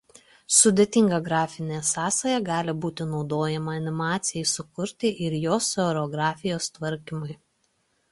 Sudėtinga grafinė sąsaja gali būti naudojama animacijai sukurti ir jos choreografijos tvarkymui.